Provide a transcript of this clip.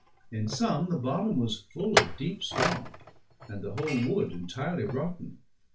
In some the bottom was full of deep swamp, and the whole wood entirely rotten.